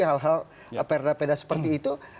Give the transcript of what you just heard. hal hal perda perda seperti itu